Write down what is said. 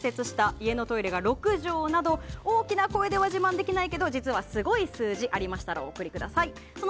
家のトイレが６畳など大きな声では自慢できないけど実はスゴイ数字がありましたらお送りください。